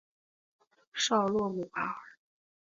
绍洛姆瓦尔。